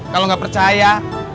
kalau nggak percaya